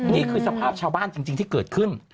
นี่คือสภาพชาวบ้านจริงที่เกิดขึ้น